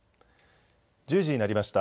１０時になりました。